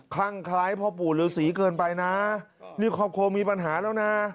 ลั่งคล้ายพ่อปู่ฤษีเกินไปนะนี่ครอบครัวมีปัญหาแล้วนะ